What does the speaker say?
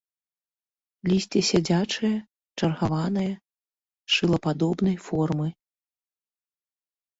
Лісце сядзячае, чаргаванае, шылападобнай формы.